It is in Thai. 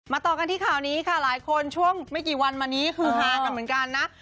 ต่อกันที่ข่าวนี้ค่ะหลายคนช่วงไม่กี่วันมานี้คือฮากันเหมือนกันนะ